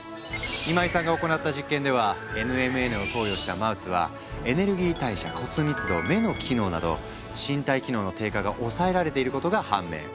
今井さんが行った実験ではＮＭＮを投与したマウスはエネルギー代謝骨密度目の機能など身体機能の低下が抑えられていることが判明。